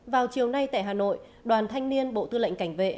vào chiều nay tại hà nội đoàn thanh niên bộ tư lệnh cảnh vệ